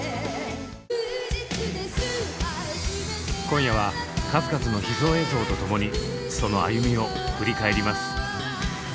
今夜は数々の秘蔵映像とともにその歩みを振り返ります。